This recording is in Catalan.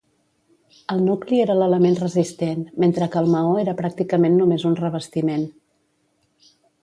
El nucli era l'element resistent, mentre que el maó era pràcticament només un revestiment.